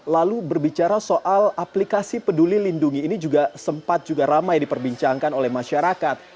lalu berbicara soal aplikasi peduli lindungi ini juga sempat juga ramai diperbincangkan oleh masyarakat